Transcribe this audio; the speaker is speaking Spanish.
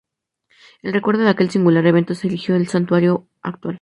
En recuerdo de aquel singular evento se erigió el santuario actual.